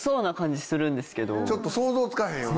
ちょっと想像つかへんよな。